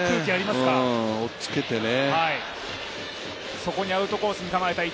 おっつけてね。